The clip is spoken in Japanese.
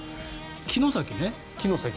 城崎ね。